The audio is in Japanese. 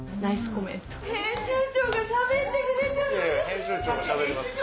編集長がしゃべってくれてうれしい！